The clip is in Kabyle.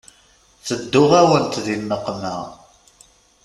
Tedduɣ-awent di nneqma.